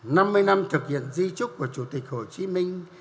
năm mươi năm thực hiện di trúc của chủ tịch hồ chí minh